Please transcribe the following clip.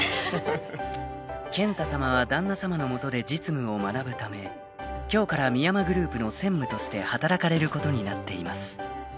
［健太さまは旦那さまの下で実務を学ぶため今日から深山グループの専務として働かれることになっています］